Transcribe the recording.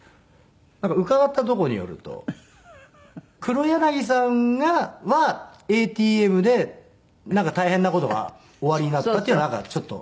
なんか伺ったとこによると黒柳さんはＡＴＭでなんか大変な事がおありになったっていうのはなんかちょっと。